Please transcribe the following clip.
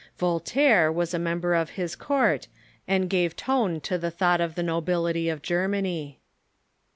Voltaire was a member of his court, and gave toiie to the thought of the nobility of Germany.